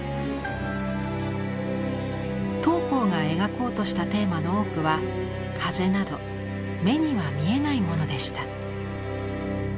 桃紅が描こうとしたテーマの多くは「風」など目には見えないものでした。